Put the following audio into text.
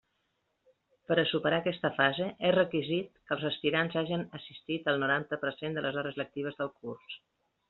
Per a superar aquesta fase és requisit que els aspirants hagen assistit al noranta per cent de les hores lectives del curs.